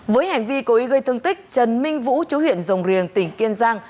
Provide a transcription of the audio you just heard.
với hành vi cố ý gây thương tích trần minh vũ chú huyện rồng riềng tỉnh kiên giang